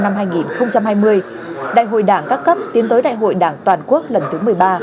năm hai nghìn hai mươi đại hội đảng các cấp tiến tới đại hội đảng toàn quốc lần thứ một mươi ba